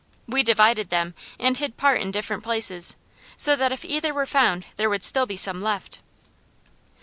We divided them, and hid part in different places, so that if either were found there would still be some left.